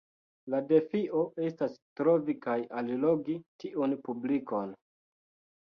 La defio estas trovi kaj allogi tiun publikon.